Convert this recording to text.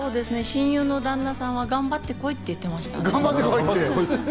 親友の旦那さんは頑張って来いって言ってました。